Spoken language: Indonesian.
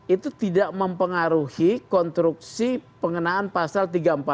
itu tidak mempengaruhi konstruksi pengenaan pasal tiga ratus empat puluh